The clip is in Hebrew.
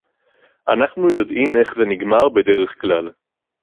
אנחנו יודעים איך זה נגמר בדרך כלל